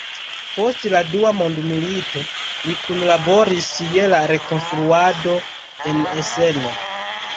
Post la Dua Mondmilito li kunlaboris je la rekonstruado en Essen.